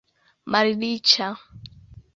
malriĉa